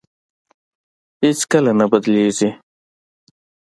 هېڅ کله نه بدلېږي.